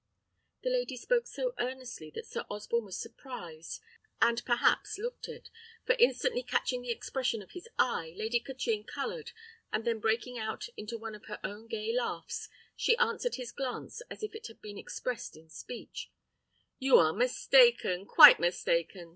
The lady spoke so earnestly that Sir Osborne was surprised, and perhaps looked it; for instantly catching the expression of his eye, Lady Katrine coloured, and then breaking out into one of her own gay laughs, she answered his glance as if it had been expressed in speech, "You are mistaken! quite mistaken!"